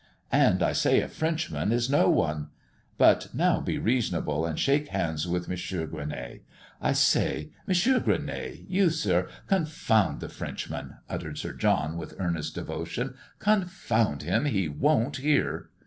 "And I say a Frenchman is no one. But now be reasonable, and shake hands with Mons. Gueronnay. I say Mons. Gueronnay! You, Sir! Confound the Frenchman!" muttered Sir John, with earnest devotion, "Confound him, he won't hear!"